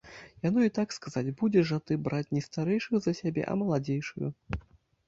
Яно і так сказаць, будзеш жа ты браць не старэйшую за сябе, а маладзейшую.